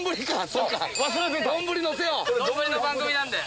そっか。